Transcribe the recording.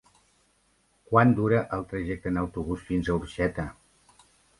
Quant dura el trajecte en autobús fins a Orxeta?